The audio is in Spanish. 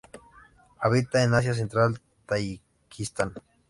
Habita en Asia Central, Tayikistán.